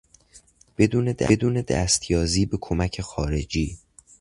بدون دستیازی به کمک خارجی